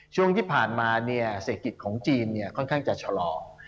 ช่วงที่ผ่านมาเศรษฐกิจของจีนค่อนข้างจะชะลอ